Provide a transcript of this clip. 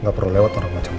nggak perlu lewat orang macam